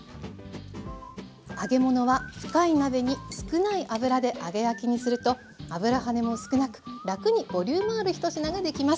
揚げ物は深い鍋に少ない油で揚げ焼きにすると油はねも少なく楽にボリュームある１品ができます。